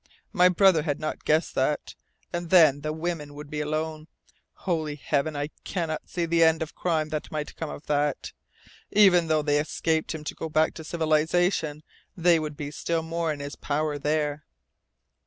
My brother had not guessed that. And then the women would be alone. Holy Heaven, I cannot see the end of crime that might come of that! Even though they escaped him to go back to civilization, they would be still more in his power there."